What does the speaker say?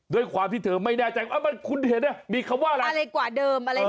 ด้วยความที่เธอไม่แน่ใจมันคุณเห็นไหม